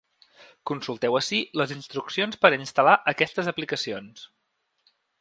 Consulteu ací les instruccions per a instal·lar aquestes aplicacions.